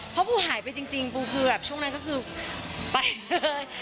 เพราะปูหายไปจริงปูคือแบบช่วงนั้นก็คือไปเลย